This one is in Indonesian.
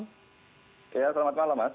oke selamat malam mas